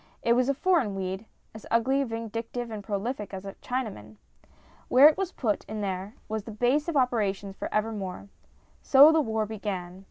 It was a foreign weed as ugly,, vindictive, and prolific as a Chinaman ! Where it was put in there was its base of operations for evermore. So the war began.